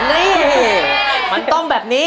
นี่มันต้องแบบนี้